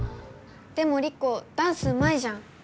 でもリコダンスうまいじゃん。